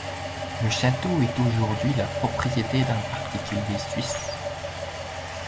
Le château est aujourd'hui la propriété d'un particulier suisse.